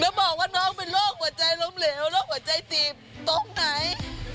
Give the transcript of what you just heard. แล้วบอกว่าน้องเป็นโรคหัวใจล้มเหลวโรคหัวใจตีบตรงไหน